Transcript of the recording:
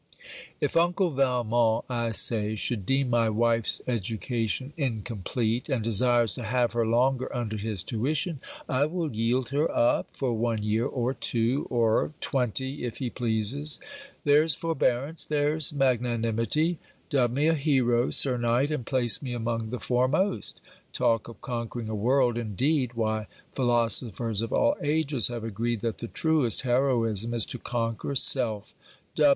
If uncle Valmont, I say, should deem my wife's education incomplete, and desires to have her longer under his tuition, I will yield her up for one year, or two, or twenty, if he pleases. There's forbearance, there's magnanimity! Dub me a hero, sir knight! and place me among the foremost! Talk of conquering a world, indeed! Why philosophers of all ages have agreed that the truest heroism is to conquer self.